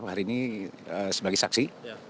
pemeriksaan ini sebagai saksi